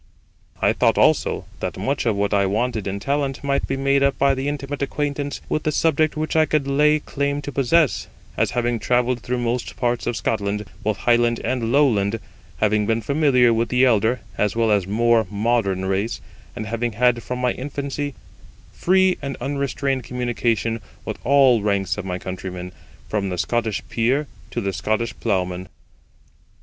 I thought also, that much of what I wanted in talent might be made up by the intimate acquaintance with the subject which I could lay claim to possess, as having travelled through most parts of Scotland, both Highland and Lowland, having been familiar with the elder as well as more modern race, and having had from my infancy free and unrestrained communication with all ranks of my countrymen, from the Scottish peer to the Scottish plough man.